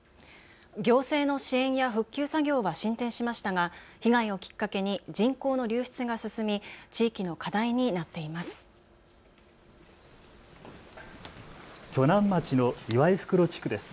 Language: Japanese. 行政の支援や復旧作業は進展しましたが被害をきっかけに人口の流出が進み地域の課題になっています。